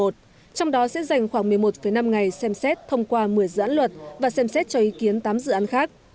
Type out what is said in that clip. trong đó sẽ dành khoảng một mươi một năm ngày xem xét thông qua một mươi dự án luật và xem xét cho ý kiến tám dự án khác